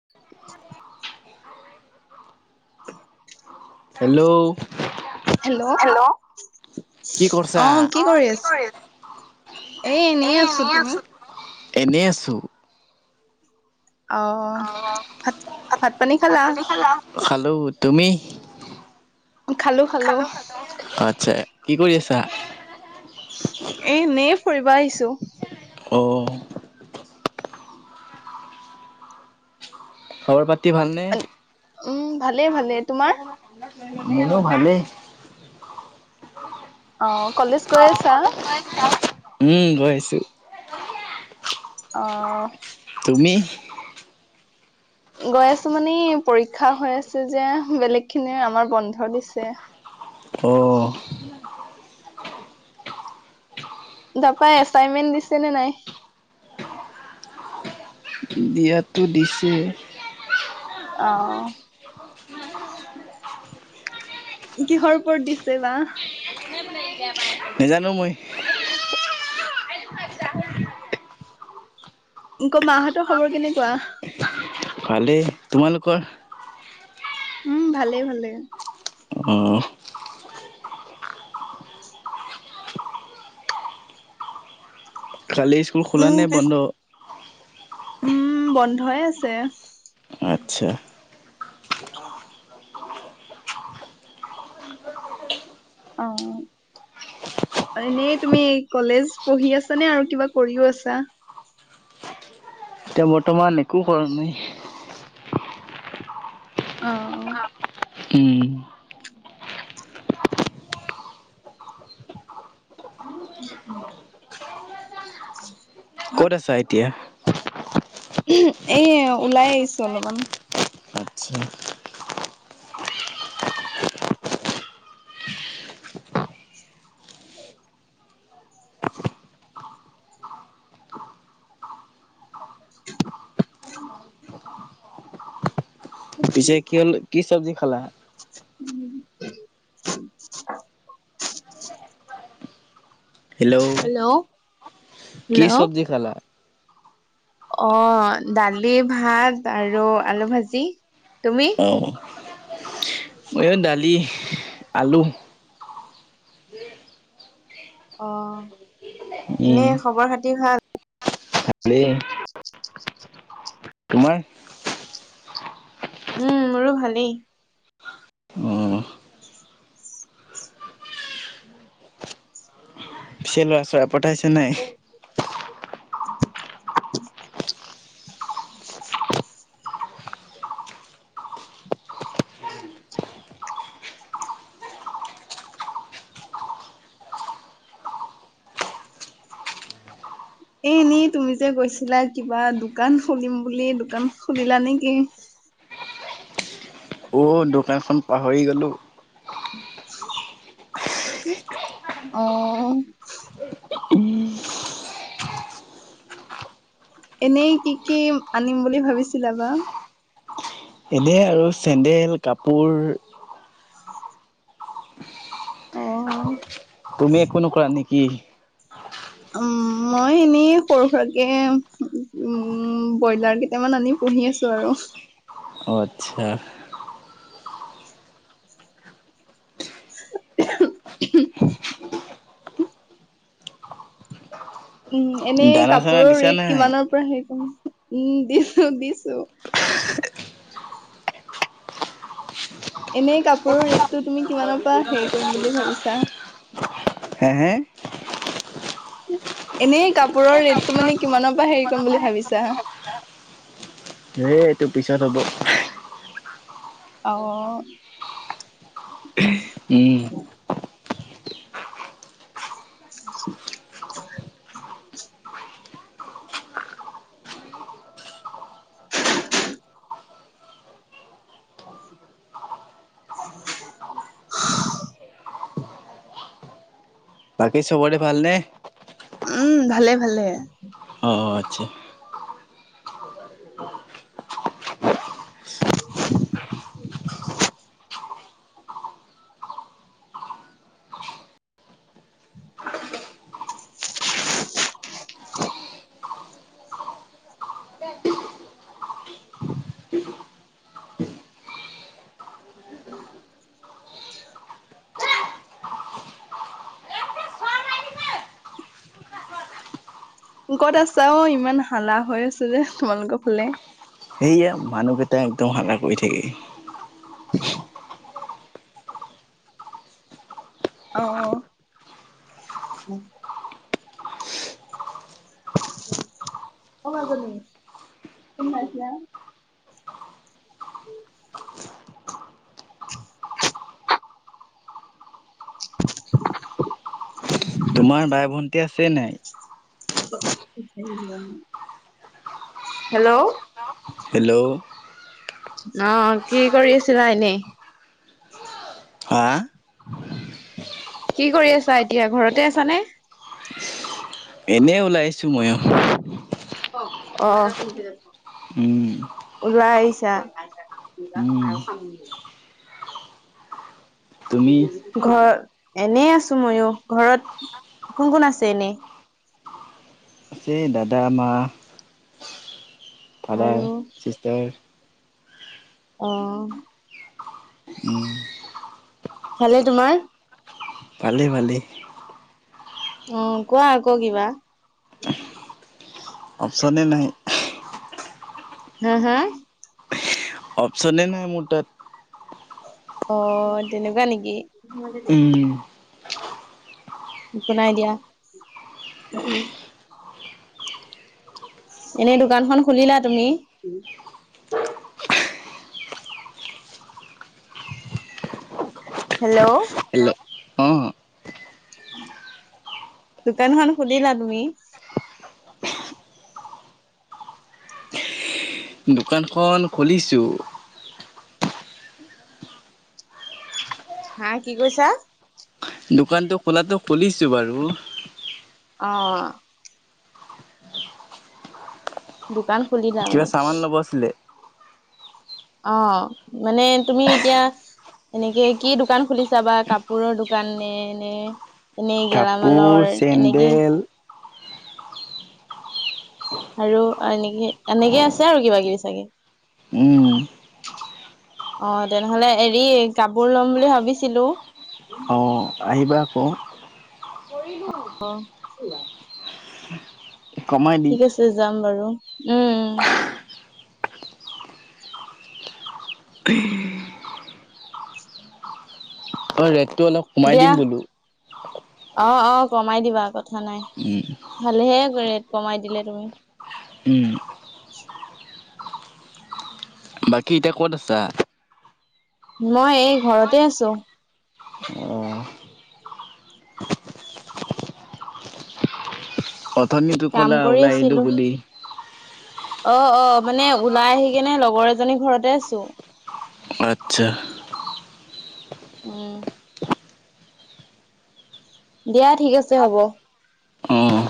[inaudible] Hello, hello, কি কৰছা? অহ কি কৰি এ এনেই এ'এনে তুমি আছো বুলো এনেই আছো। অ অহ, ভাত- পানী খালা? খালোঁ তুমি? খালো খালো খালোঁ - খালোঁ ।আচ্ছা কি কৰি আছা? এ 'এনেই ফুৰিব আহিছো । অহ ', খবৰ পাতি ভালনে? উম ভালে ভালে তোমাৰ [unintelligible] মোৰো ভালেই। অহ, কলেজ গৈ অ আছা? কলেজ গৈ আহিছা? উম, গৈ আছো। অহ', তুমি? গৈ আছো মানে পৰীক্ষা হৈ আছে যে বেলেগ খিনিৰ আমাৰ বন্ধ দিছে। অহ', তাপাই এচাইনমেন্ট দিছে নে নাই? দিয়াটো দিছে। অহ ', কিহৰ ওপৰত দিছে বা? নেজানো মই। [inaudible] [unintelligible] আকৌ মাহঁতৰ খৱৰ কেনেকুৱা ভালেই তোমালোকৰ উম ভালে ভালে। অহ কালি স্কুল খোলা উম নে পিছ বন্ধ উম বন্ধই আছে। আচ্ছা অৱ এনেই তুমি কলেজ পঢ়ি আছা নে আৰু কিবা কৰিও আছা। এতিয়া বৰ্তমান একো কৰা নাই। অৱ অৱ উম [unintelligible] ক'ত আছা এতিয়া এই ওলাই আহিছো অলপমান। আচ্ছা, পিছে কি হ'ল কি চব্জি খালা? [unintelligible] হেল্ল' কি হেল্ল' চব্জি খালা? অ দালি ভাত আৰু আলু ভাজি তুমি? অ মইও দালি, আলু অ উম, এনেই খৱৰ খাতি ভাল ভালেই। তোমাৰ? উম মোৰো ভালেই অ'। পিছে ল'ৰা চ'ৰা পতাইছে নাই [inaudible] [inaudible] এনে তুমি যে গৈছিলা কিবা দোকান খুলিম বুলি দোকান খুলিলা নেকি? [inaudible] অ' দোকানখন পাহৰি গ'লোঁ। [unintelligible] অ এনেই কি কি আনিম বুলি ভাবিছিলা বা এনেই আৰু চেণ্ডেল কাপোৰ অ অ তুমি একো নকৰা নেকি? উম মই এনেই সৰু সুৰাকৰাকে উম ব্ৰইলাৰ কেইটামান আনি পুহি আছো আৰু অ আচ্ছা। [unintelligible] উম এনেই দানা-চানা কাপোৰৰ দিছা ৰেট নাই? কিমানৰ পৰা সেই উম দিছো দিছো। এনেই কাপোৰৰ ৰেটটো, তুমি কিমানৰ পৰা হেৰি কৰিম বুলি ভাবিছা? হে হে এনে কাপোৰৰ এই ৰেটটো মানে কাপোৰৰ কিমানৰ পৰা হেৰি কৰিম বুলি ভাবিছা? [unintelligible] সেই এইটো পিছত হ'ব। অ উম [unintelligible] [unintelligible] [unintelligible] বাকী চবৰে ভাল নে? উম ভালে ভালে । অ আচ্ছা । [unintelligible] [unintelligible] কত আছা অ? ইমান হালা হৈ আছে যে তোমালোকৰ ফালে । এইয়া মানুকেইটা একদম হালা কৰি থাকে । [unintelligible] অহ অ মাজনী ফোন মাৰিছিলা? [unintelligible] তোমাৰ বাই ভণ্টি আছে নাই? হেল্ল' হেল্ল অহ কি কৰি আছিলা এনেই? হা কি কৰি আছা, এতিয়া ঘৰতে আছানে? এনে ওলাইছো মই ও। অ উম ওলাই আহিছা। উম, তুমি ঘৰ এনে আছো মইয়ো ঘৰত কোন কোন আছে এনে? এই দাদা মা ফাদাৰ আৰু চিষ্টাৰ, অ উম ভালে তোমাৰ? ভালেই ভালেই । অ কোৱা আকৌ কিবা। অপচনে নাই । হা হা অপচনে নাই মোৰ তাত । অ তেনেকুৱা নেকি । উম, একো নাই দিয়া। এনেই দোকানখন খুলিলা তুমি? হেল্ল' হেল্ল' অ', দোকানখন খুলীলা তুমি? দোকানখন খুলিছোঁ । হা কি কৈছা । দোকানটো খোলাতটো খুলিছো বাৰু, অ দোকান খুলিলা কিবা মানে? চামান লব আছিলে? অ মানে তুমি এতিয়া এনেকে কি দোকান খুলিছা বা কাপোৰৰ দোকান নে নে, এনেই কাপোৰ, গেলামালৰ এনেকেই চেণ্ডেল আৰু এনেকে, এনেকে আছে আৰু কিবা কিবি চাগে? উম [inaudible] অ তেনেহলে এৰি কাপোৰ লম বুলি ভাবিছিলো । অ' আহিবা ক অ কমাই দিম। ঠিক আছে যাম বাৰু উম উম । উম। [unintelligible] অ ৰেটটো অলপ কমাই দিয়া দিম বোলো। অ অ কমাই দিবা কথা নাই, ভালে হে ক ৰেট কমাই দিলে তুমি । উম [inaudible] বাকী এতিয়া ক'ত আছা? মই এই ঘৰতে আছো । অথনীটো কাম ক'লা কৰি ওলাই আহিলোঁ আছিলো বুলি। অ অ মানে ওলাই আহি কেনে লগৰ এজনী ঘৰতে আছো । অ আচ্ছা উম দিয়া ঠিক আছে হব । অ'।